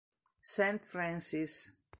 St. Francis